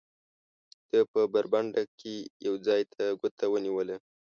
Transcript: ده په برنډه کې یو ځای ته ګوته ونیوله.